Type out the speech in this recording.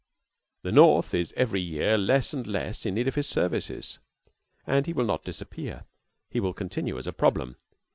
The North is every year less and less in need of his services. And he will not disappear. He will continue as a problem.